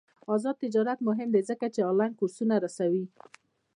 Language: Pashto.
آزاد تجارت مهم دی ځکه چې آنلاین کورسونه رسوي.